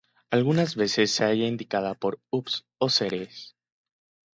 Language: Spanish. Algunas veces se halla indicada por Ops o Ceres.